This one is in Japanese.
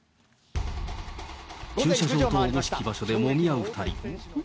駐車場と思しき場所でもみ合う２人。